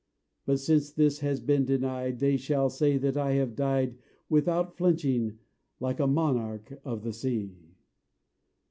But since this has been denied, They shall say that I have died Without flinching, like a monarch Of the sea."